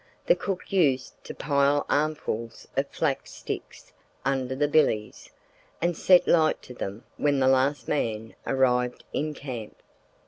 The cook used to pile armfuls of flax sticks under the billies, and set light to them when the last man arrived in camp.